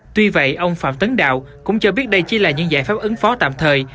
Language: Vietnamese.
tuy vậy ông phạm tấn đạo cũng cho biết đây chỉ là những giải pháp ứng phó tạm thời